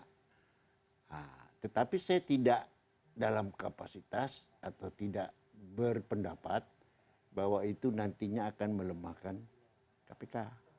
nah tetapi saya tidak dalam kapasitas atau tidak berpendapat bahwa itu nantinya akan melemahkan kpk